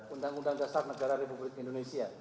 undang undang dasar negara republik indonesia